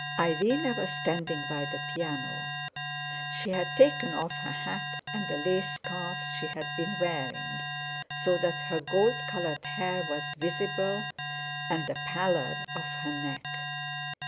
Irene was standing by the piano; she had taken off her hat and a lace scarf she had been wearing, so that her gold coloured hair was visible, and the pallor of her neck.